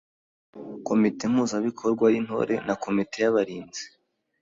Komite mpuzabikorwa y’Intore na komite y’abarinzi